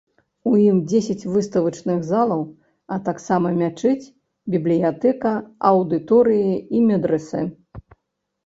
У ім дзесяць выставачных залаў, а таксама мячэць, бібліятэка, аўдыторыі і медрэсэ.